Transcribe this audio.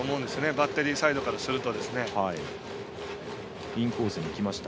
バッテリーサイドからすると。